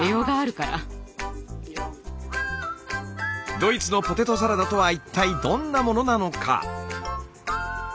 ドイツのポテトサラダとは一体どんなものなのか？